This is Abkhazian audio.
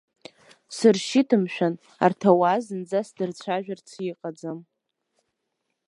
Сыршьит мшәан, арҭ ауаа зынӡа сдырцәажәарц иҟаӡам.